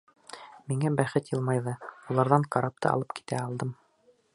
Миңә бәхет йылмайҙы, уларҙан карапты алып китә алдым.